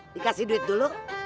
dikasih duit dulu